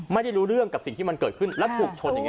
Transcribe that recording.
ไม่ได้รู้เรื่องกับสิ่งที่มันเกิดขึ้นแล้วถูกชนอย่างนี้